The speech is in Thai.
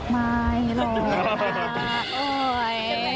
ไม่หรอกนะ